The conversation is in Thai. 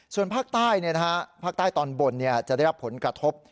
ส่วนภาคใต้ภาคใต้ตอนบนจะได้รับผลกระทบ